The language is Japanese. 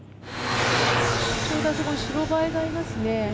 ちょうどあそこに白バイがいますね。